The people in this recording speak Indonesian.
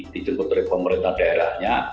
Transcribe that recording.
dijemput dari pemerintah daerahnya